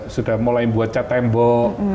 sudah mulai membuat cat tembok